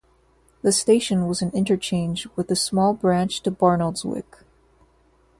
The station was an interchange with the small branch to Barnoldswick.